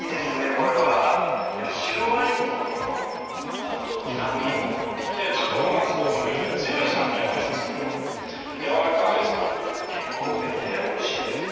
これは白ワイン酢のこのちょっと酸味もちょっと沸かすことによって強い酸味はないんですけどやわらかい酸味健康的でおいしいですね